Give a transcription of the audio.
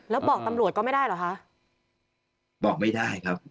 แล้วบอกตำรวจก็ไม่ได้เหรอคะบอกไม่ได้ครับ